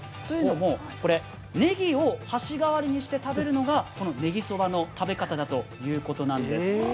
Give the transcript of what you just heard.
というのも、これねぎを箸代わりにして食べるのがこのねぎそばの食べ方だということなんです。